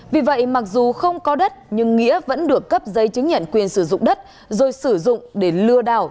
vì vậy mặc dù không có đất nhưng nghĩa vẫn được cấp giấy chứng nhận quyền sử dụng đất rồi sử dụng để lừa đảo